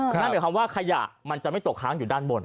นั่นหมายความว่าขยะมันจะไม่ตกค้างอยู่ด้านบน